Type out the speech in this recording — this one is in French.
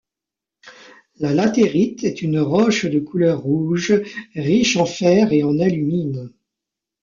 La latérite est une roche de couleur rouge riche en fer et en alumine.